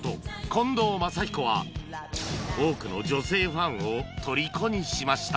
近藤真彦は多くの女性ファンをとりこにしました